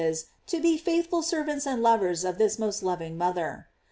is to be faithful servants and lovers of this mosl loving mother!